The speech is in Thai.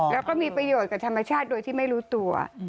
แล้วก็มีประโยชน์กับธรรมชาติโดยที่ไม่รู้ตัว